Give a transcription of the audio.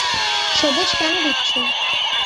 সবুজ কেন দিচ্ছো?